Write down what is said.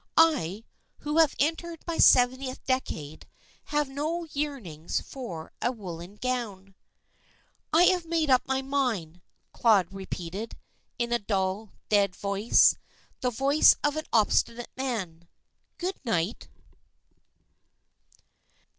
I, who have entered my seventh decade, have no yearnings for a woollen gown." "I have made up my mind," Claude repeated, in a dull, dead voice, the voice of an obstinate man. "Good night."